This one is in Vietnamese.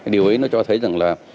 điều ấy nó cho thấy rằng là